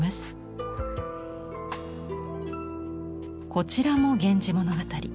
こちらも「源氏物語」。